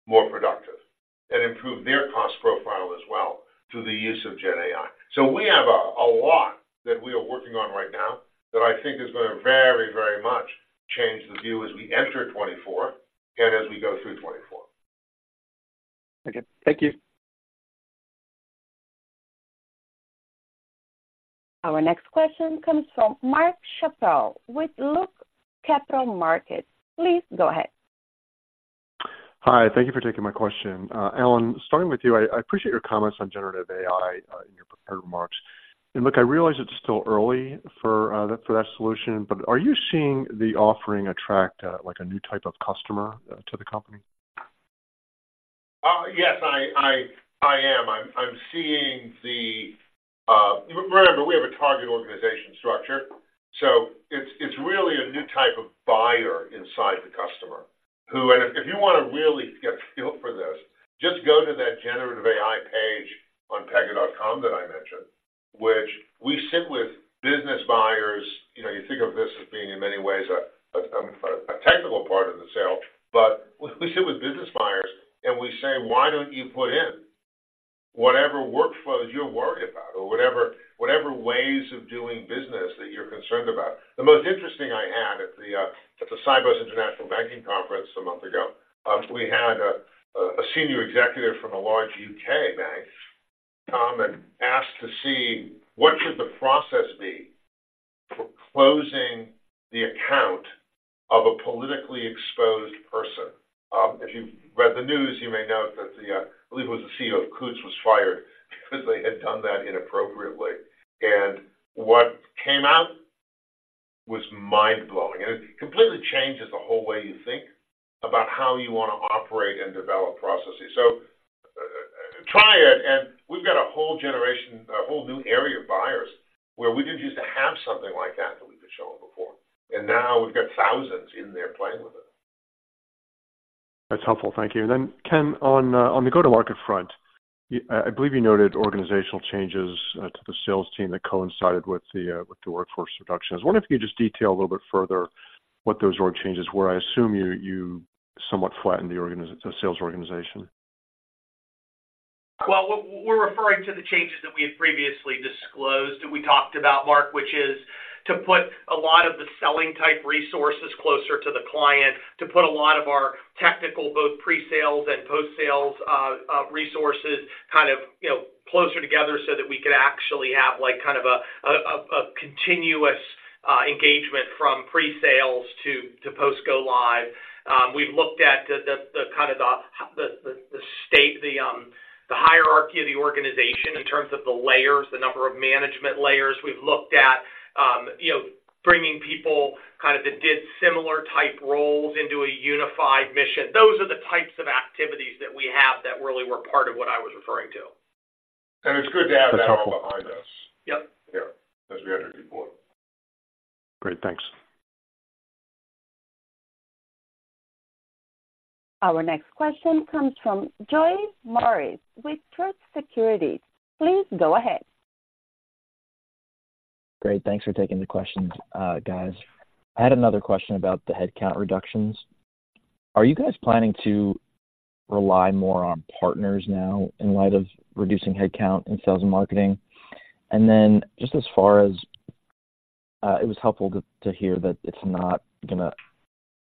more productive and improve their cost profile as well, through the use of GenAI. So we have a lot that we are working on right now that I think is going to very, very much change the view as we enter 2024 and as we go through 2024. Okay. Thank you. Our next question comes from Mark Schappel with Loop Capital Markets. Please go ahead. Hi, thank you for taking my question. Alan, starting with you, I appreciate your comments on generative AI in your prepared remarks. And look, I realize it's still early for that solution, but are you seeing the offering attract like a new type of customer to the company? Yes, I am. I'm seeing the... Remember, we have a target organization structure, so it's really a new type of buyer inside the customer. And if you want to really get a feel for this, just go to that generative AI page on Pega.com that I mentioned, which we sit with business buyers. You know, you think of this as being in many ways a technical part of the sale, but we sit with business buyers, and we say: Why don't you put in?... Whatever workflows you're worried about or whatever ways of doing business that you're concerned about. The most interesting I had at the Sibos International Banking Conference a month ago, we had a senior executive from a large UK bank come and ask to see what should the process be for closing the account of a politically exposed person. If you've read the news, you may note that the, I believe it was the CEO of Coutts was fired because they had done that inappropriately. And what came out was mind-blowing, and it completely changes the whole way you think about how you want to operate and develop processes. So, try it, and we've got a whole generation, a whole new area of buyers where we didn't use to have something like that, that we could show before, and now we've got thousands in there playing with it. That's helpful. Thank you. Then, Ken, on the go-to-market front, I believe you noted organizational changes to the sales team that coincided with the workforce reductions. I wonder if you could just detail a little bit further what those org changes were. I assume you somewhat flattened the sales organization. Well, we're referring to the changes that we had previously disclosed and we talked about, Mark, which is to put a lot of the selling type resources closer to the client, to put a lot of our technical, both pre-sales and post-sales, resources, kind of, you know, closer together so that we could actually have, like, kind of a continuous engagement from pre-sales to post go live. We've looked at the kind of the state, the hierarchy of the organization in terms of the layers, the number of management layers. We've looked at, you know, bringing people kind of that did similar type roles into a unified mission. Those are the types of activities that we have that really were part of what I was referring to. It's good to have that all behind us. Yep. Yeah, as we enter Q4. Great, thanks. Our next question comes from Joe Meares with Truist Securities. Please go ahead. Great, thanks for taking the questions, guys. I had another question about the headcount reductions. Are you guys planning to rely more on partners now in light of reducing headcount in sales and marketing? And then just as far as it was helpful to hear that it's not gonna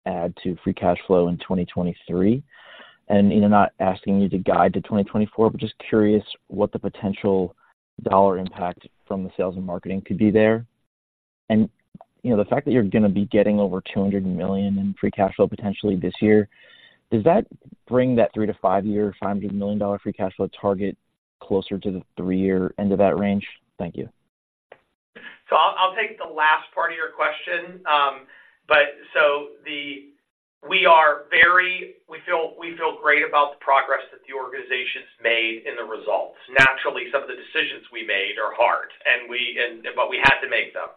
add to free cash flow in 2023. And, you know, not asking you to guide to 2024, but just curious what the potential dollar impact from the sales and marketing could be there. And, you know, the fact that you're gonna be getting over $200 million in free cash flow potentially this year, does that bring that three to five year, $500 million free cash flow target closer to the three-year end of that range? Thank you. I'll take the last part of your question. We feel great about the progress that the organization's made in the results. Naturally, some of the decisions we made are hard, but we had to make them.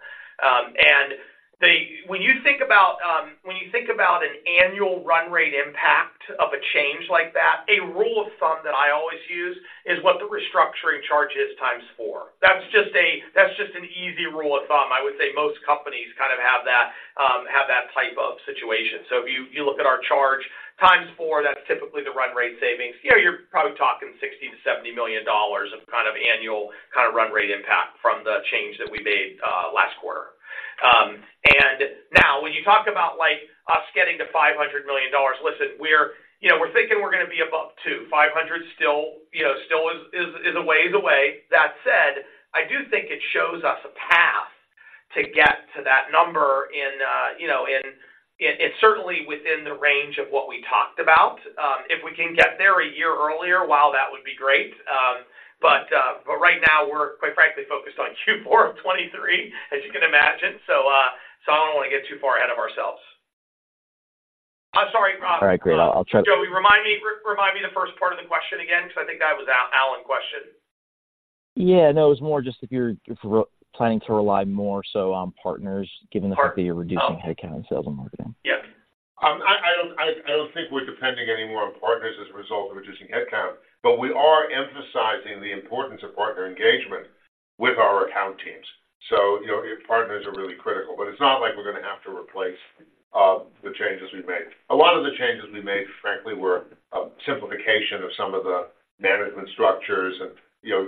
When you think about an annual run rate impact of a change like that, a rule of thumb that I always use is what the restructuring charge is, times four. That's just an easy rule of thumb. I would say most companies kind of have that type of situation. So if you look at our charge times four, that's typically the run rate savings. You know, you're probably talking $60 million-$70 million of kind of annual kind of run rate impact from the change that we made last quarter. And now when you talk about, like, us getting to $500 million, listen, we're, you know, we're thinking we're gonna be above $250 million. $500 million still, you know, still is a ways away. That said, I do think it shows us a path to get to that number in, you know, in, it's certainly within the range of what we talked about. If we can get there a year earlier, wow, that would be great. But, but right now, we're quite frankly focused on Q4 of 2023, as you can imagine. So, so I don't want to get too far ahead of ourselves. I'm sorry, All right, great. I'll check- Joe, remind me, remind me the first part of the question again, because I think that was Alan's question. Yeah, no, it was more just if you're planning to rely more so on partners, given the fact that you're reducing headcount in sales and marketing. Yes. I don't think we're depending any more on partners as a result of reducing headcount, but we are emphasizing the importance of partner engagement with our account teams. So you know, partners are really critical, but it's not like we're gonna have to replace the changes we've made. A lot of the changes we made, frankly, were simplification of some of the management structures and, you know,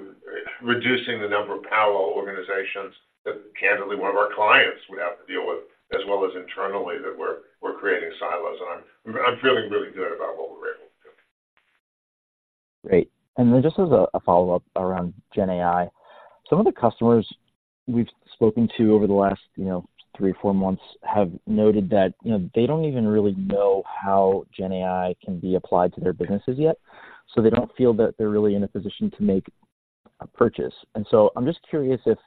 reducing the number of parallel organizations that, candidly, one of our clients would have to deal with, as well as internally, that we're creating silos. And I'm feeling really good about what we're able to do. Great. Then just as a follow-up around GenAI. Some of the customers we've spoken to over the last, you know, three or four months, have noted that, you know, they don't even really know how GenAI can be applied to their businesses yet. So they don't feel that they're really in a position to make a purchase. So I'm just curious if,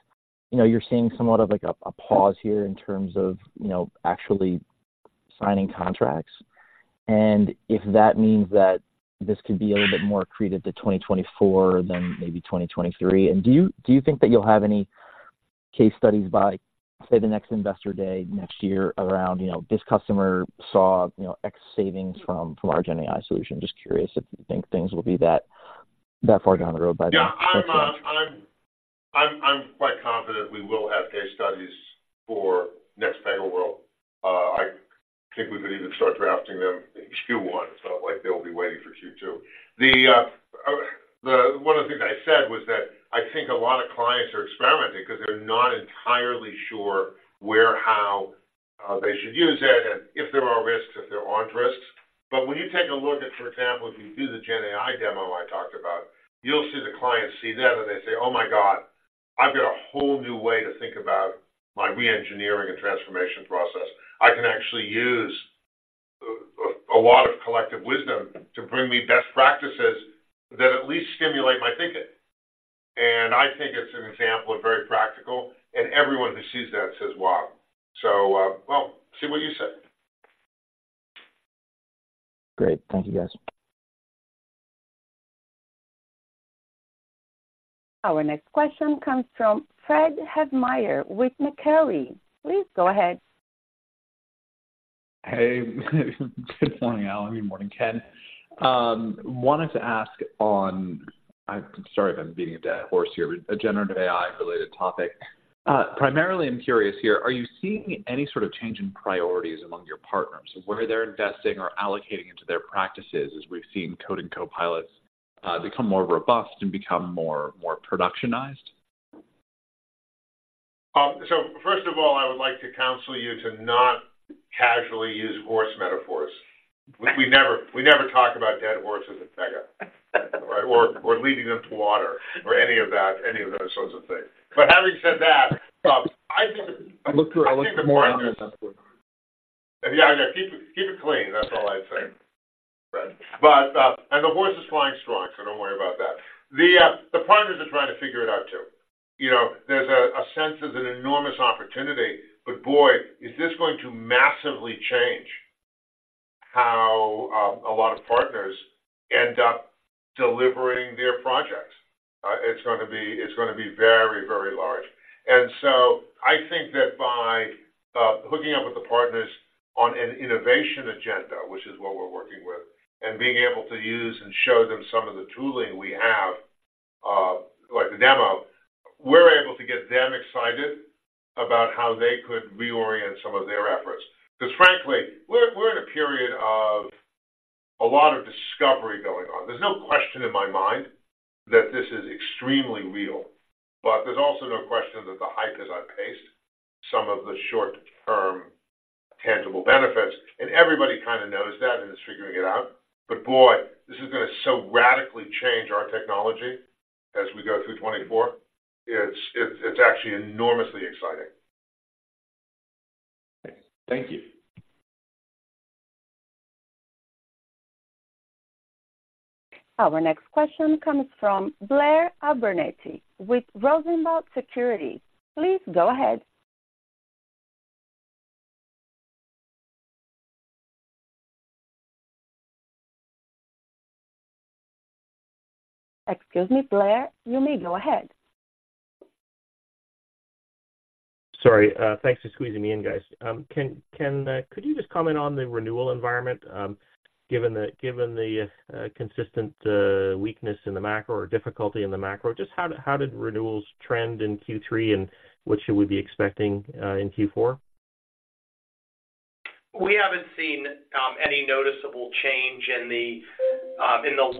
you know, you're seeing somewhat of, like, a pause here in terms of, you know, actually signing contracts, and if that means that this could be a little bit more accretive to 2024 than maybe 2023. Do you think that you'll have any case studies by, say, the next Investor Day next year around, you know, this customer saw, you know, X savings from our GenAI solution? Just curious if you think things will be that far down the road by then? Yeah, I'm quite confident, we will have case studies for next PegaWorld. I think we could even start drafting them in Q1, so like they'll be waiting for Q2. The one of the things I said was that I think a lot of clients are experimenting because they're not entirely sure where, how they should use it, and if there are risks, if there aren't risks. But when you take a look at, for example, if you do the GenAI demo I talked about, you'll see the clients see that, and they say, "Oh, my God, I've got a whole new way to think about my reengineering and transformation process. I can actually use a lot of collective wisdom to bring me best practices that at least stimulate my thinking." And I think it's an example of very practical, and everyone who sees that says, "Wow." So, well, see what you say. Great. Thank you, guys. Our next question comes from Fred Havemeyer with Macquarie. Please go ahead. Hey, good morning, Alan. Good morning, Ken. Wanted to ask on... I'm sorry if I'm beating a dead horse here, a generative AI-related topic. Primarily, I'm curious here, are you seeing any sort of change in priorities among your partners, where they're investing or allocating into their practices, as we've seen code and copilots, become more robust and become more, more productionized? So first of all, I would like to counsel you to not casually use horse metaphors. We never talk about dead horses at Pega. Right? Or leading them to water or any of that, any of those sorts of things. But having said that, I think- Look, look for more- Yeah, I know. Keep it, keep it clean. That's all I'd say, Fred. But, and the horse is flying strong, so don't worry about that. The, the partners are trying to figure it out, too. You know, there's a, a sense of an enormous opportunity, but boy, is this going to massively change how, a lot of partners end up delivering their projects. It's gonna be, it's gonna be very, very large. And so I think that by, hooking up with the partners on an innovation agenda, which is what we're working with, and being able to use and show them some of the tooling we have, like the demo, we're able to get them excited about how they could reorient some of their efforts. Because, frankly, we're, we're in a period of a lot of discovery going on. There's no question in my mind that this is extremely real, but there's also no question that the hype has outpaced some of the short-term tangible benefits, and everybody kind of knows that and is figuring it out. But boy, this is gonna so radically change our technology as we go through 2024. It's actually enormously exciting. Thank you. Our next question comes from Blair Abernethy with Rosenblatt Security. Please go ahead. Excuse me, Blair. You may go ahead. Sorry. Thanks for squeezing me in, guys. Ken, could you just comment on the renewal environment, given the consistent weakness in the macro or difficulty in the macro, just how did renewals trend in Q3, and what should we be expecting in Q4? We haven't seen any noticeable change in the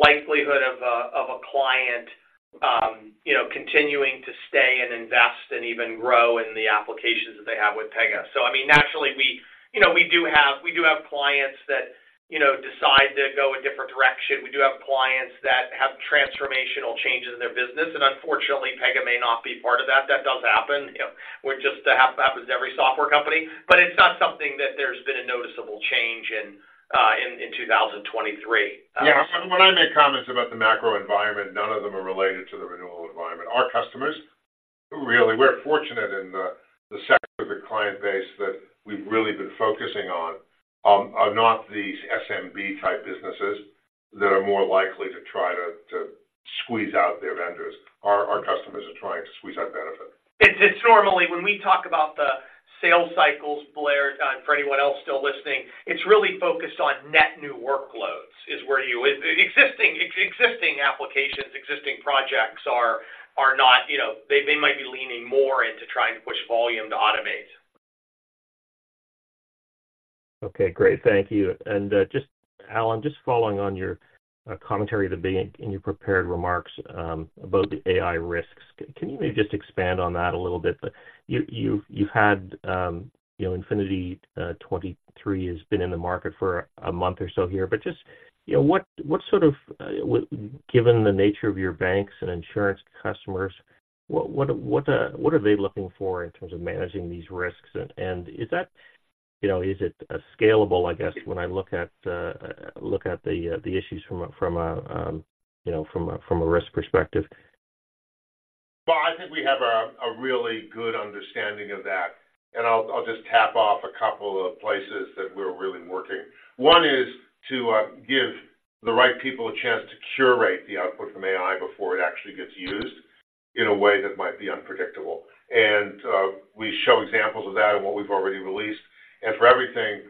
likelihood of a client you know continuing to stay and invest and even grow in the applications that they have with Pega. So I mean, naturally, we you know do have clients that you know decide to go a different direction. We do have clients that have transformational changes in their business, and unfortunately, Pega may not be part of that. That does happen. You know, which just happens to every software company, but it's not something that there's been a noticeable change in 2023. Yeah. When I make comments about the macro environment, none of them are related to the renewal environment. Our customers, really, we're fortunate in the sector, the client base that we've really been focusing on are not these SMB-type businesses that are more likely to try to squeeze out their vendors. Our customers are trying to squeeze out benefit. It's normally, when we talk about the sales cycles, Blair, for anyone else still listening, it's really focused on net new workloads, is where you... Existing applications, existing projects are not, you know, they might be leaning more into trying to push volume to automate. Okay, great. Thank you. And, just, Alan, just following on your, commentary at the beginning in your prepared remarks, about the AI risks, can you maybe just expand on that a little bit? But you've had, you know, Infinity 23 has been in the market for a month or so here, but just, you know, what sort of, given the nature of your banks and insurance customers, what are they looking for in terms of managing these risks? And, is that, you know, is it, scalable, I guess, when I look at, look at the, the issues from a, from a, you know, from a, from a risk perspective? Well, I think we have a really good understanding of that, and I'll just tick off a couple of places that we're really working. One is to give the right people a chance to curate the output from AI before it actually gets used in a way that might be unpredictable. And we show examples of that in what we've already released. And for everything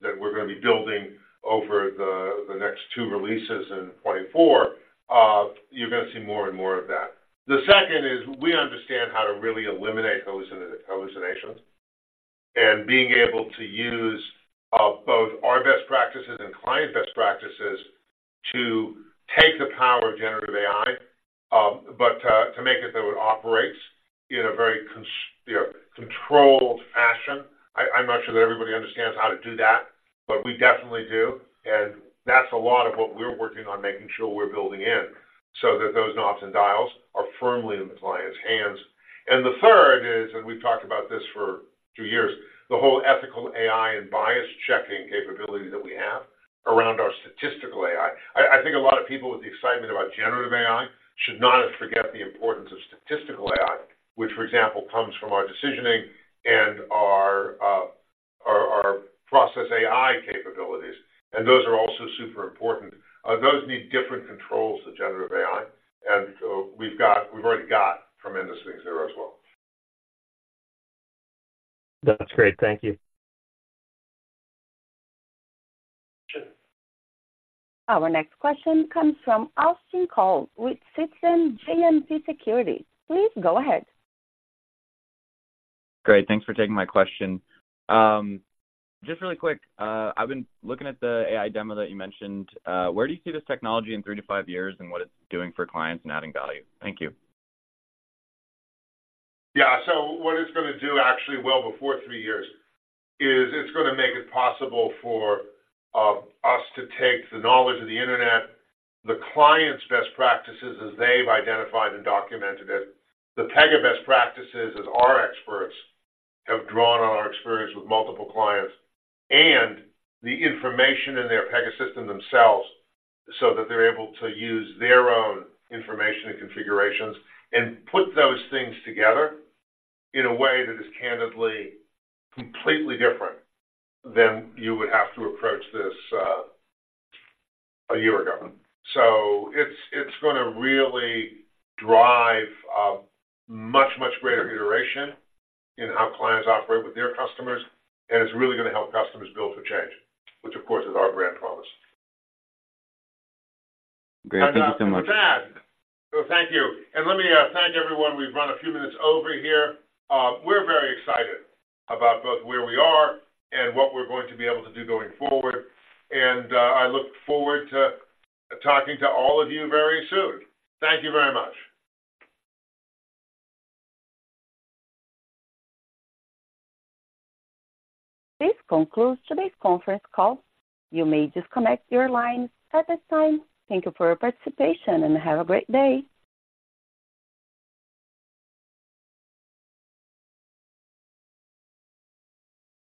that we're going to be building over the next two releases in 2024, you're going to see more and more of that. The second is we understand how to really eliminate those hallucinations, and being able to use both our best practices and client best practices to take the power of generative AI, but to make it so it operates in a very constrained, you know, controlled fashion. I'm not sure that everybody understands how to do that, but we definitely do, and that's a lot of what we're working on, making sure we're building in, so that those knobs and dials are firmly in the client's hands. And the third is, and we've talked about this for two years, the whole ethical AI and bias checking capability that we have around our statistical AI. I think a lot of people, with the excitement about generative AI, should not forget the importance of statistical AI, which, for example, comes from our decisioning and our process AI capabilities, and those are also super important. Those need different controls than generative AI, and, we've got—we've already got tremendous things there as well. That's great. Thank you. Our next question comes from Austin Cole with Citizen JMP Securities. Please go ahead. Great. Thanks for taking my question. Just really quick, I've been looking at the AI demo that you mentioned. Where do you see this technology in three to five years and what it's doing for clients and adding value? Thank you. Yeah. So what it's going to do, actually, well before three years, is it's going to make it possible for us to take the knowledge of the Internet, the client's best practices as they've identified and documented it, the Pega best practices as our experts have drawn on our experience with multiple clients, and the information in their Pega system themselves, so that they're able to use their own information and configurations and put those things together in a way that is candidly completely different than you would have to approach this a year ago. So it's, it's going to really drive a much, much greater iteration in how clients operate with their customers, and it's really going to help customers build for change, which, of course, is our brand promise. Great. Thank you so much. With that... So thank you. And let me thank everyone. We've run a few minutes over here. We're very excited about both where we are and what we're going to be able to do going forward, and I look forward to talking to all of you very soon. Thank you very much. This concludes today's conference call. You may disconnect your lines at this time. Thank you for your participation, and have a great day.